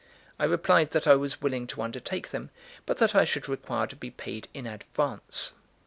I replied that I was willing to undertake them, but that I should require to be paid in advance.